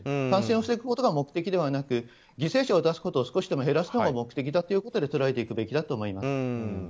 感染を防ぐことが目的ではなく犠牲者を出すことを少しでも減らすことが目的だと捉えていくべきだと思います。